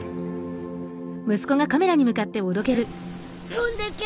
飛んでけ！